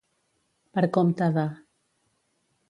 Per compte de.